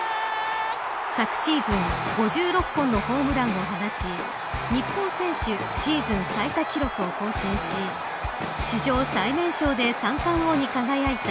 昨シーズン５６本のホームランを放ち日本選手シーズン最多記録を更新し史上最年少で三冠王に輝いた。